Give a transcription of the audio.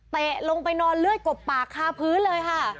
ลงไปนอนเลือดกบปากคาพื้นเลยค่ะ